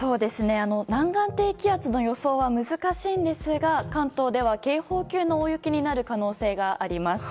南岸低気圧の予想は難しいんですが関東では警報級の大雪になる可能性があります。